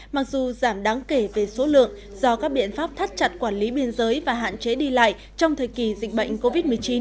mặc dù giảm đáng kể về số lượng do các biện pháp thắt chặt quản lý biên giới và hạn chế đi lại trong thời kỳ dịch bệnh covid một mươi chín